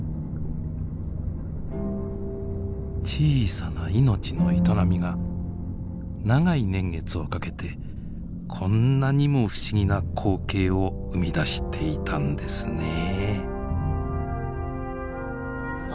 小さな命の営みが長い年月をかけてこんなにも不思議な光景を生み出していたんですねえ。